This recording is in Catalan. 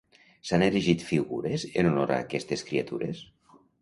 S'han erigit figures en honor a aquestes criatures?